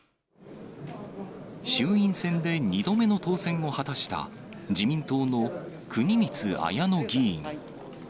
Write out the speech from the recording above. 衆院選で２度目の当選を果たした、自民党の国光文乃議員。